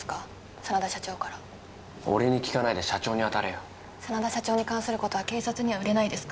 真田社長から俺に聞かないで社長に当たれよ真田社長に関することは警察には売れないですか？